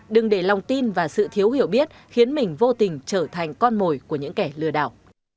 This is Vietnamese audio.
đừng để lòng tin và sự thiếu hiểu biết khiến mình vô tình trở thành con mồi của những kẻ lừa đảo